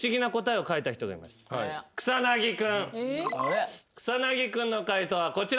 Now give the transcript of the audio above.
草薙君の解答はこちら。